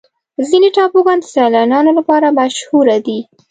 ځینې ټاپوګان د سیلانیانو لپاره مشهوره دي.